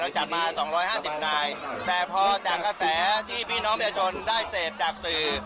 จัดมาสองร้อยห้าสิบนายแต่พอจากกระแสที่พี่น้องประชาชนได้เสพจากสื่อ